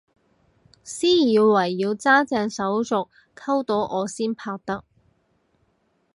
私以為要揸正手續溝到我先拍得